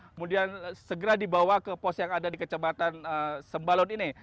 kemudian segera dibawa ke pos yang ada di kecamatan sembalun ini